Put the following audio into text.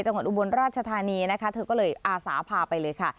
อุบลราชธานีนะคะเธอก็เลยอาสาพาไปเลยค่ะ